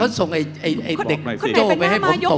เขาส่งไอเด็กโจ้ไปให้ผม